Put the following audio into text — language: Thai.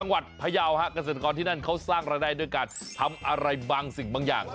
จังหวัดพยาวฮะกเศรษฐกรที่นั่นเค้าสร้างระดายด้วยการทำอะไรบางสิ่งบางอย่าง